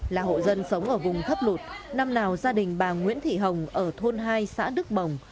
là hộ dân sống ở vùng thấp lụt năm nào gia đình bà nguyễn thị hồng ở thôn hai xã đức bồng